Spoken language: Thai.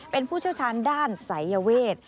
เป็นผู้เชี่ยวชาญด้านศัยเวท